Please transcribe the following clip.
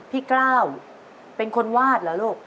กล้าวเป็นคนวาดเหรอลูก